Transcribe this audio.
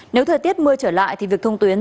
nếu thời tiết mưa trở lại thì việc thông tuyến